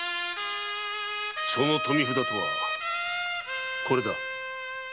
その富札とはこれだ。